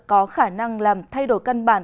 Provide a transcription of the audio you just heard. có khả năng làm thay đổi căn bản